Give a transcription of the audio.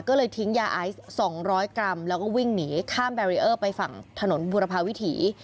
ก็เลยทิ้งยาไอซ์๒๐๐กรัมแล้วก็วิ่งหนีข้ามแบรีเออร์ไปฝั่งถนนบุรพาวิถี